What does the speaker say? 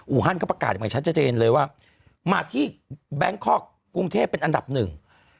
ฮันก็ประกาศอย่างชัดเจนเลยว่ามาที่แบงคอกกรุงเทพเป็นอันดับหนึ่ง